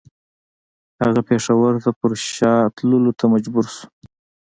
هغه پېښور ته پر شا تللو ته مجبور شو.